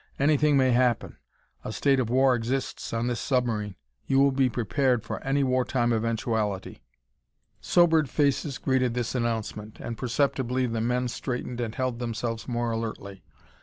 Anything may happen. A state of war exists on this submarine. You will be prepared for any wartime eventuality!" Sobered faces greeted this announcement, and perceptibly the men straightened and held themselves more alertly.